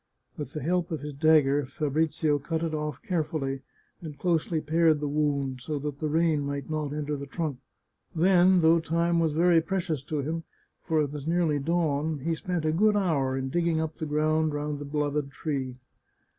With the help of his dagger Fabrizio cut it off carefully, and closely pared the wound, so that the rain might not enter the trunk. Then, though time was very precious to him, for it was nearly dawn, he spent a good hour in digging up the ground round the beloved tree.